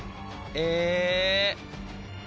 え